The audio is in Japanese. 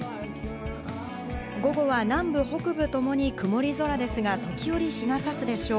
午後は南部、北部ともに曇り空ですが、時折、日が差すでしょう。